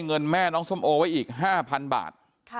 เงินแม่น้องส้มโอไว้อีก๕๐๐๐บาท